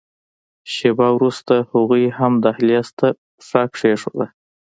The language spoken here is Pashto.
شېبه وروسته هغوی هم دهلېز ته پښه کېښوده.